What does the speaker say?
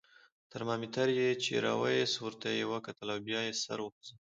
ترمامیتر یې چې را وایست، ورته یې وکتل او بیا یې سر وخوځاوه.